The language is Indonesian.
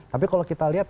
tapi kalau kita lihat